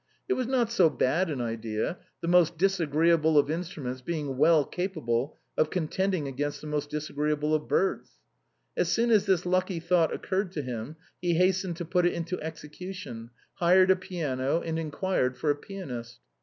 It was not so bad an idea, the most disagreeable of instruments being well capable of contend ing against the most disagreeable of birds. As soon as this lucky thought occurred to him, he hastened to put it into execution, hired a piano, and inquired for a pianist.